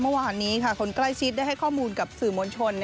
เมื่อวานนี้คนใกล้ชิดได้ให้ข้อมูลกับสื่อมวลชน